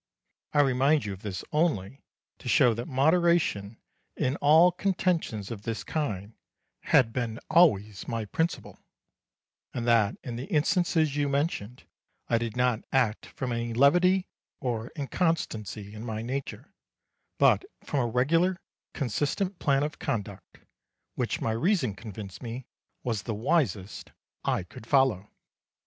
I remind you of this only to show that moderation in all contentions of this kind had been always my principle; and that in the instances you mentioned I did not act from any levity or inconstancy in my nature, but from a regular consistent plan of conduct, which my reason convinced me was the wisest I could follow.